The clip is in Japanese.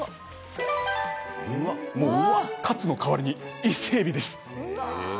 カツの代わりに伊勢えびです。